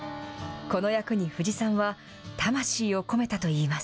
この役に藤さんは魂を込めたといいます。